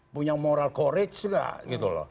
punya moral courage nggak